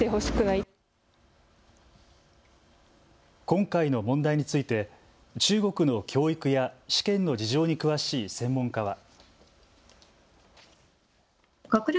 今回の問題について中国の教育や試験の事情に詳しい専門家は。